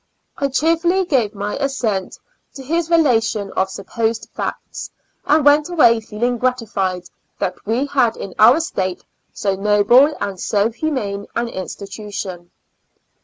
I cheerfully gave my assent to his relation of supposed facts, and went away feeUng gratified that we had in our State so noble and so humane an institution.